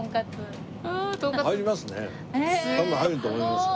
多分入ると思いますよ。